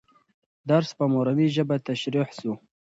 درس په مورنۍ ژبه تشریح سو.